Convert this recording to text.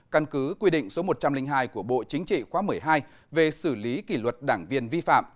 căn cứ quy định số một trăm linh hai của bộ chính trị khóa một mươi hai về xử lý kỷ luật đảng viên vi phạm